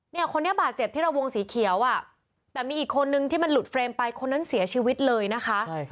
เนี่ยคนนี้บาดเจ็บที่เราวงสีเขียวอ่ะแต่มีอีกคนนึงที่มันหลุดเฟรมไปคนนั้นเสียชีวิตเลยนะคะ